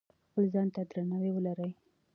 خپل ځان ته درناوی ولرئ.